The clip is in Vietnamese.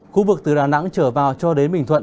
khu vực từ đà nẵng trở vào cho đến bình thuận